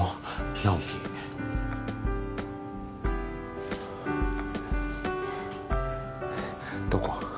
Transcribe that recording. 直木どこ？